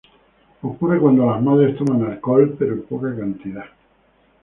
Ocurre cuando las madres toman alcohol pero en poca cantidad.